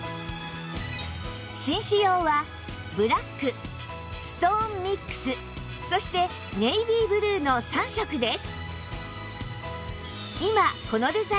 紳士用はブラックストーンミックスそしてネイビーブルーの３色です